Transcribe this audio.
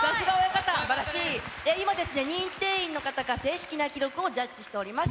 今ですね、認定員の方が正式な記録をジャッジしております。